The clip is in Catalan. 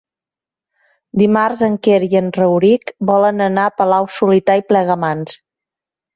Dimarts en Quer i en Rauric volen anar a Palau-solità i Plegamans.